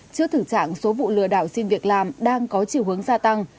trước thực trạng số vụ lừa đảo xin việc làm đang có chiều hướng gia tăng